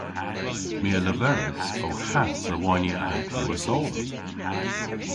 My a leveris ow hath dhe waynya an pewas owr.